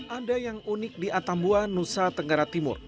ada yang unik di atambua nusa tenggara timur